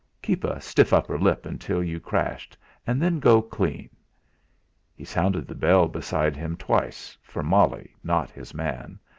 Keep a stiff lip until you crashed, and then go clean! He sounded the bell beside him twice for Molly, not his man.